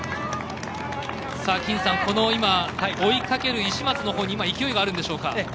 金さん、この追いかける石松のほうに勢いがあるんでしょうか。